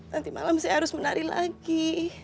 nanti malam saya harus menari lagi